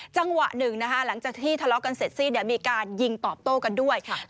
จังหวะหนึ่งนะคะหลังจากที่ทะเลาะกันเสร็จสิ้นมีการยิงตอบโต้กันด้วยค่ะ